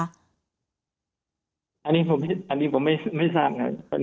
อันนี้ผมไม่ทราบ